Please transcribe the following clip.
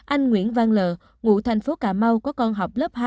anh nguyễn văn lụ ngụ thành phố cà mau có con học lớp hai